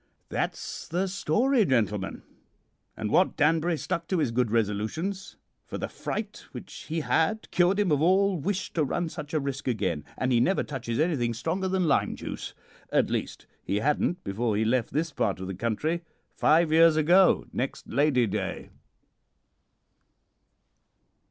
"That's the story, gentlemen, and Wat Danbury stuck to his good resolutions, for the fright which he had cured him of all wish to run such a risk again; and he never touches anything stronger than lime juice at least, he hadn't before he left this part of the country, five years ago next Lady Day."